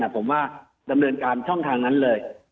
ผมว่าดำเนินการช่องทางนั้นเลย